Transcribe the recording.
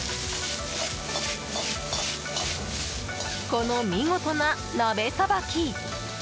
この見事な鍋さばき。